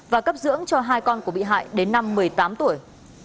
và cấp dưỡng cho hai con của bị hại đến năm một mươi tám tuổi